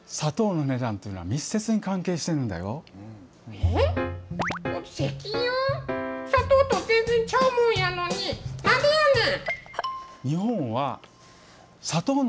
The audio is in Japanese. えっ、石油砂糖と全然ちゃうもんやのになんでやねん。